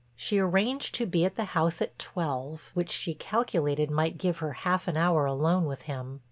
She arranged to be at the house at twelve which she calculated might give her half an hour alone with him.